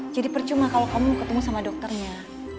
jadi percuma kalau kamu ketemu sama dokternya